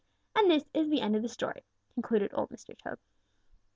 And this is the end of the story," concluded Old Mr. Toad.